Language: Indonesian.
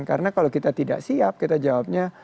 karena kalau kita tidak siap kita jawabnya